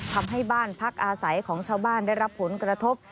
ทำให้บ้านพักอาศัยของชาวบ้านได้รับผลกระทบ